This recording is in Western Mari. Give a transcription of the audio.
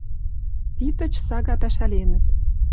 Титыч сага пӓшӓленӹт